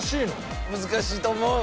難しいと思う。